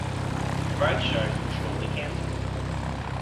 Both shows were shortly canceled.